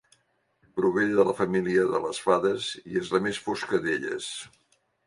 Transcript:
Prové de la família de les fades i és la més fosca d'elles.